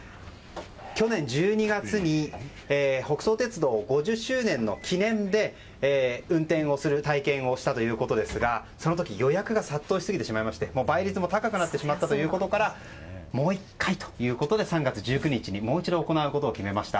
去年１２月に北総鉄道５０周年の記念で運転をする体験をしたということですがその時、予約が殺到しすぎてしまいまして倍率も高くなってしまったということからもう１回ということで３月１９日にもう一度、行うことを決めました。